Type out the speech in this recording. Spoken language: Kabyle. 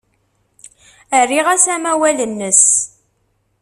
Rriɣ-as amawal-nnes.